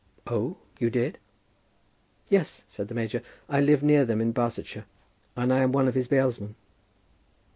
"Oh, you did?" "Yes," said the major. "I live near them in Barsetshire, and I am one of his bailsmen."